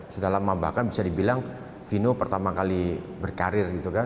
sudah lama bahkan bisa dibilang vino pertama kali berkarir